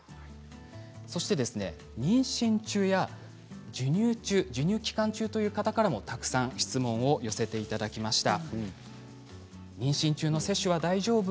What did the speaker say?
そして妊娠中や授乳中授乳期間中という方からもたくさん質問を寄せていただきました。